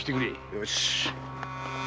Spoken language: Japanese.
よし！